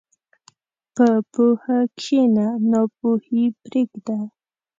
په پوهه کښېنه، ناپوهي پرېږده.